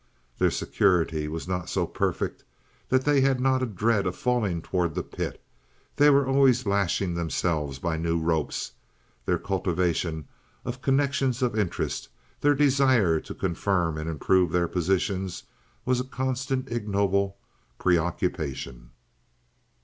Their security was not so perfect that they had not a dread of falling towards the pit, they were always lashing themselves by new ropes, their cultivation of "connexions," of interests, their desire to confirm and improve their positions, was a constant ignoble preoccupation.